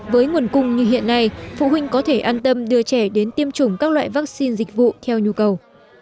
với nguồn cung như hiện nay phụ huynh có thể an tâm đưa trẻ đến tiêm chủng các loại vaccine dịch vụ theo nhu cầu